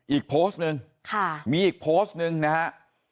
อีกโพสต์นึงมีอีกโพสต์นึงนะครับ